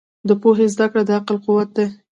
د پوهې زده کړه د عقل قوت دی.